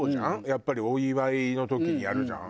やっぱりお祝いの時にやるじゃん。